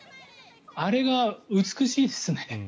あれが美しいですね。